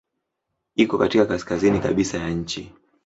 Iko katika kaskazini kabisa ya nchi.